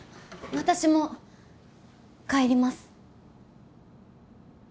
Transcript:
私も帰ります。